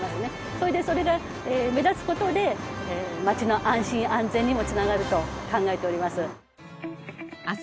それでそれが目立つ事で街の安心・安全にもつながると考えております。